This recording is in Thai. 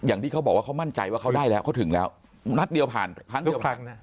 อย่างที่เขาบอกว่าเขามั่นใจว่าเขาได้แล้วเขาถึงแล้วนัดเดียวผ่านครั้งเดียวครั้งนะ